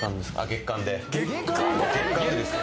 月間でですよ